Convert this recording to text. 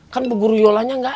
kan bu guru yolanya enggak ada